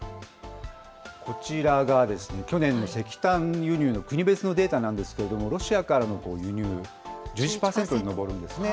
こちらが去年の石炭輸入の国別のデータなんですけれども、ロシアからの輸入、１１％に上るんですね。